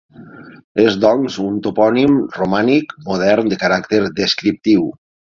És, doncs, un topònim romànic modern de caràcter descriptiu.